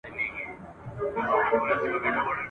بې اختیاره له یارانو بېلېده دي ..